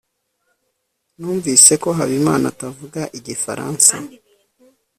numvise ko habimana atavuga igifaransa